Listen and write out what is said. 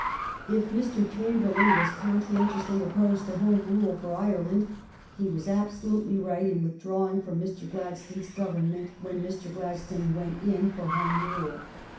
If Mr. Chamberlain was conscientiously opposed to Home Rule for Ireland, he was absolutely right in withdrawing from Mr. Gladstone's Government when Mr. Gladstone went in for Home Rule.